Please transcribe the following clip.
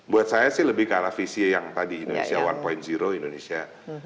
buat saya sih lebih ke arah visi yang tadi indonesia satu indonesia